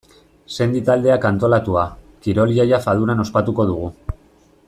Sendi taldeak antolatua, kirol-jaia Faduran ospatuko dugu.